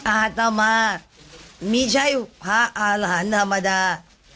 อาตมาไม่ใช่พระอาหลานธรรมดา